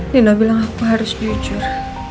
lina bilang aku harus jujur